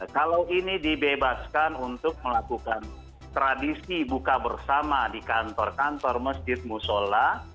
kalau ini dibebaskan untuk melakukan tradisi buka bersama di kantor kantor masjid musola